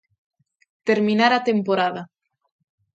Terminar a temporada.